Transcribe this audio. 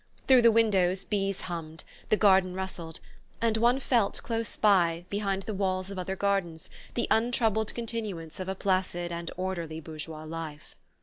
Through the windows bees hummed, the garden rustled, and one felt, close by, behind the walls of other gardens, the untroubled continuance of a placid and orderly bourgeois life.